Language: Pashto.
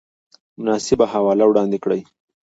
مناسبه حواله وړاندې کړئ